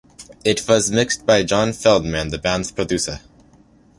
It was mixed by John Feldmann, the band's producer.